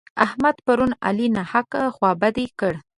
احمد پرون علي ناحقه خوابدی کړ.